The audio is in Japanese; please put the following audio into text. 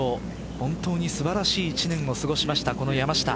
本当に素晴らしい一年を過ごしました。